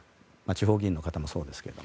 地方議員の方もそうですが。